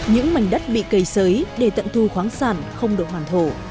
những mảnh đất bị cây sới để tận thu khoáng sản không được hoàn thổ